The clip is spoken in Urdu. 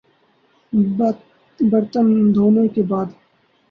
برتن دھونے کے بعد